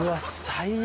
最悪。